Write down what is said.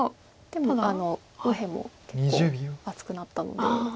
でも右辺も結構厚くなったので。